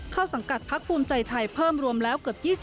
สังกัดพักภูมิใจไทยเพิ่มรวมแล้วเกือบ๒๐